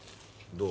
どう？